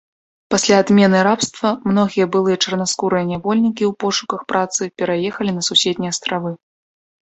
Пасля адмены рабства многія былыя чарнаскурыя нявольнікі ў пошуках працы пераехалі на суседнія астравы.